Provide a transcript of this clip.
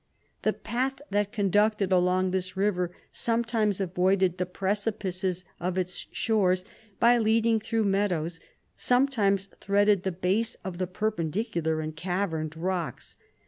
The path that conducted along this river some times avoided the precipices of its shores, by leading through meadows ; sometimes threaded the base of the per pendicular and caverned rocks.